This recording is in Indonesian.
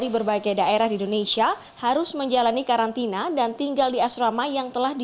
berkurangnya rehan gelar